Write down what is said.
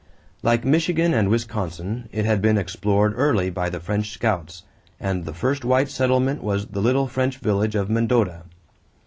Like Michigan and Wisconsin, it had been explored early by the French scouts, and the first white settlement was the little French village of Mendota.